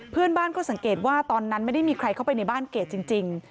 เพื่อนบ้านก็สังเกตว่าตอนนั้นไม่ได้มีใครเข้าไปในบ้านเกรดจริง